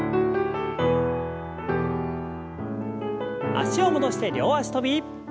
脚を戻して両脚跳び。